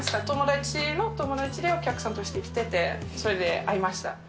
友達の友達で、お客さんとして来てて、それで会いました。